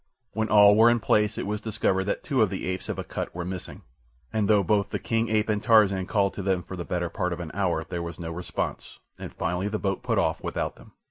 When all were in place it was discovered that two of the apes of Akut were missing, and though both the king ape and Tarzan called to them for the better part of an hour, there was no response, and finally the boat put off without them.